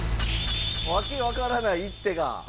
訳が分からない一手が。